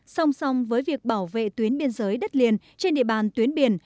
song song với việc bảo vệ tuyến biên giới đất liền trên địa bàn tuyến biển